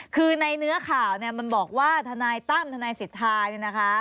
คือในเนื้อข่าวเนี่ยมันบอกว่าทนายตั้มทนายสิทธาเนี่ยนะคะ